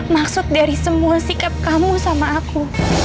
maksud dari semua sikap kamu sama aku